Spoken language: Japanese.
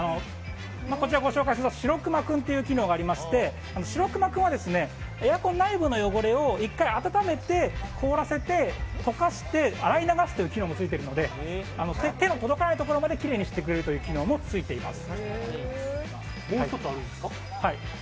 こちらご紹介するのはしろくま君という機能がありましてしろくま君はエアコン内部の汚れを１回温めて凍らせて洗い流す機能がついていますので手が届かないところまできれいにしてくれる機能ももう１つあるんですか？